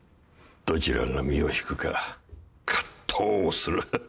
どちらが身を引くか葛藤する。